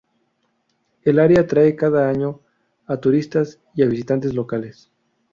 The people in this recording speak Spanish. El área atrae cada año a turistas y a visitantes locales.